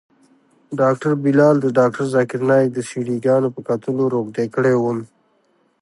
ډاکتر بلال د ذاکر نايک د سي ډي ګانو په کتلو روږدى کړى وم.